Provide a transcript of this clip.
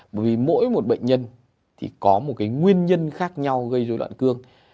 bởi vì mỗi một bệnh nhân thì có một cái nguyên nhân khác nhau gây dối loạn cương